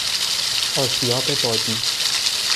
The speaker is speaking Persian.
آسیاب بادی